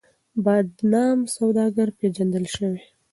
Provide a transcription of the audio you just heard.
بدنام سوداگر پېژندل شوی.